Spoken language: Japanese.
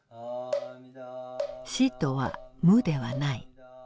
「死とは無ではない」。